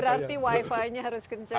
berarti wifi nya harus kencang mbak babang